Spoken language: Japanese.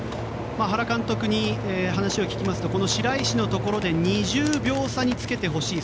原監督に話を聞きますとこの白石のところで２０秒差につけてほしい。